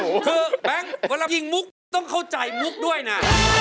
คือแบงค์เวลายิงมุกต้องเข้าใจมุกด้วยนะ